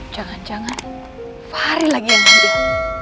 jangan jangan farid lagi yang ngambil